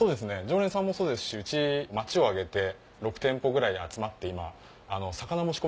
常連さんもそうですし町を挙げて６店舗ぐらい集まって今。